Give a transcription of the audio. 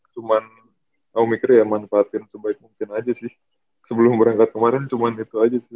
cuman om mikir ya manfaatin sebaik mungkin aja sih sebelum berangkat kemarin cuma itu aja sih